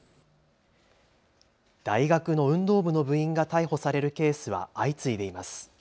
大学の運動部の部員が逮捕されるケースは相次いでいます。